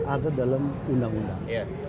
ada dalam undang undang